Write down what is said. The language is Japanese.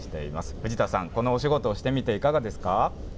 藤田さん、このお仕事をしてみていかがですか。